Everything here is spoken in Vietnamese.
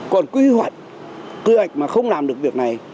còn quy hoạch mà không làm được việc này